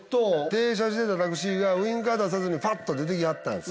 停車してたタクシーがウインカー出さずに出て来た。